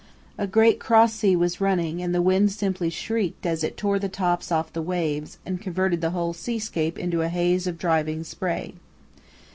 A great cross sea was running and the wind simply shrieked as it tore the tops off the waves and converted the whole seascape into a haze of driving spray.